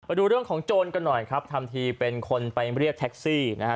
ดูเรื่องของโจรกันหน่อยครับทำทีเป็นคนไปเรียกแท็กซี่นะฮะ